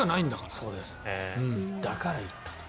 だから行ったと。